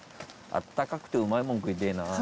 あったかくてうまいもん食いてぇな。